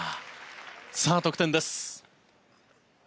さあ、得点です。